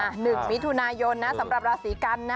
สำนายนสำหรับราศีกัน